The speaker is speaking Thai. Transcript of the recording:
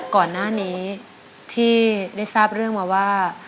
ก่อนหน้านี้ที่ได้ทราบเรื่องมาว่า